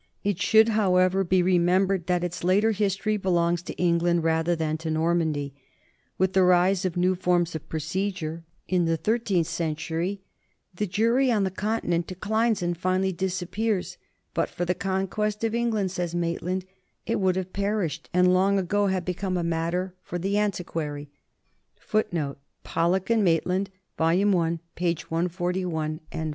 It should, however, be remembered that its later history belongs to England rather than to Normandy. With the rise of new forms of procedure in the thirteenth century, the jury on the Continent declines and finally disappears; "but for the conquest of England," says Maitland, "it would have perished and long ago have become a matter for THE NORMAN EMPIRE U3 the antiquary."